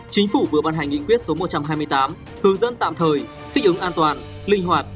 chính phủ vừa bàn hành nghị quyết số một trăm hai mươi tám hướng dẫn tạm thời thích ứng an toàn linh hoạt